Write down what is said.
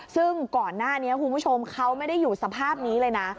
ซึ่งก่อนหน้านี้คุณผู้ชมเขาไม่ได้อยู่สภาพนี้เลยนะ